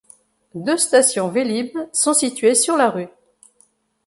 Deux stations Vélib' sont situées sur la rue.